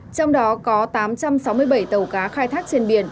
trong đó có tám trăm sáu mươi bảy tàu cá khai thác trên biển